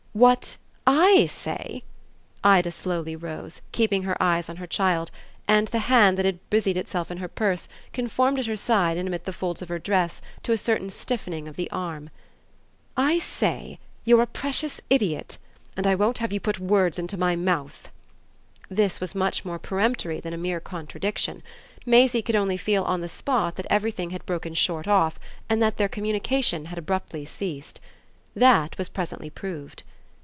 "What 'I' say?" Ida slowly rose, keeping her eyes on her child, and the hand that had busied itself in her purse conformed at her side and amid the folds of her dress to a certain stiffening of the arm. "I say you're a precious idiot, and I won't have you put words into my mouth!" This was much more peremptory than a mere contradiction. Maisie could only feel on the spot that everything had broken short off and that their communication had abruptly ceased. That was presently proved.